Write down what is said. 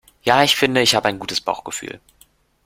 Ja, ich finde, ich habe ein gutes Bauchgefühl.